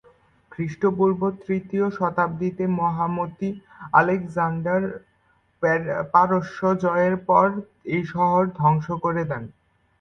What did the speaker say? খ্রিস্টপূর্ব তৃতীয় শতাব্দিতে মহামতি আলেকজান্ডার পারস্য জয়ের পর এই শহর ধ্বংস করে দেন।